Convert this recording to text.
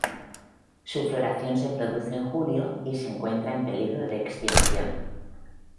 Su floración se produce en julio y se encuentran en peligro de extinción.